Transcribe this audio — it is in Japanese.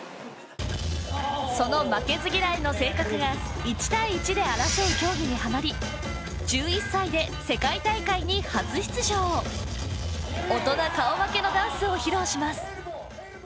その負けず嫌いの性格が１対１で争う競技にハマり１１歳で世界大会に初出場大人顔負けのダンスを披露します